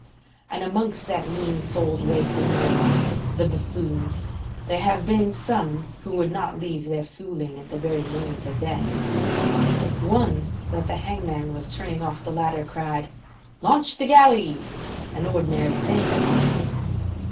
And amongst that mean souled race of men, the buffoons, there have been some who would not leave their fooling at the very moment of death. One that the hang man was turning off the ladder cried: "Launch the galley," an ordinary saying of his.